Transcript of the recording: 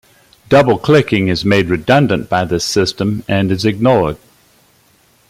Double-clicking is made redundant by this system and is ignored.